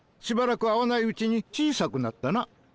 しばらく会わないうちに小さくなったな。